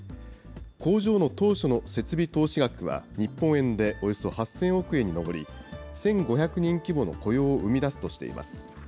工場の当初の設備投資額は日本円でおよそ８０００億円に上り、１５００人規模の雇用を生み出すとしています。